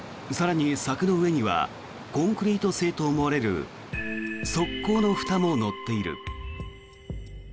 更に、柵の上にはコンクリート製と思われる側溝のふたも乗っている。